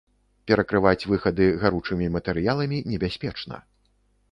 Перакрываць выхады гаручымі матэрыяламі небяспечна.